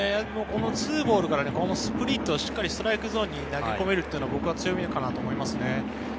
２ボールからスプリットをしっかりストライクゾーンに投げ込めるというのは強いと思います。